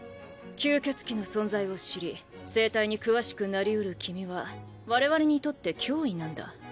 吸血鬼の存在を知り生態に詳しくなり得る君はわれわれにとって脅威なんだ。